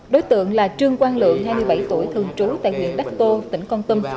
đối tượng là trương quang lượng hai mươi bảy tuổi thường trú tại huyện đắc tô tỉnh con tâm